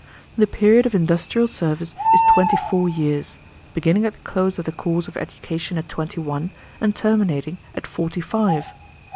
The period of industrial service is twenty four years, beginning at the close of the course of education at twenty one and terminating at forty five.